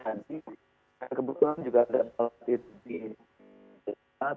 karena kebetulan juga ada hal itu di indonesia